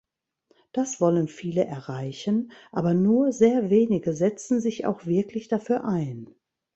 Das wollen viele erreichen, aber nur sehr wenige setzen sich auch wirklich dafür ein.